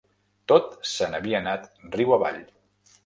Tot se'n havia anat riu avall